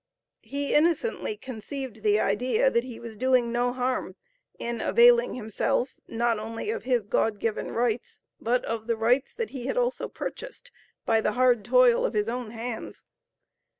He innocently conceived the idea that he was doing no harm in availing himself not only of his God given rights, but of the rights that he had also purchased by the hard toil of his own hands.